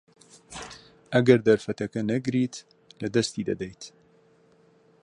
ئەگەر دەرفەتەکە نەگریت، لەدەستی دەدەیت.